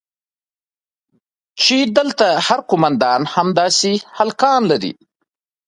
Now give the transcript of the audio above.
چې دلته هر قومندان همداسې هلکان لري.